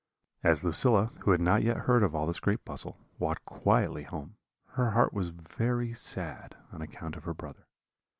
"As Lucilla, who had not yet heard of all this great bustle, walked quietly home, her heart was very sad on account of her brother.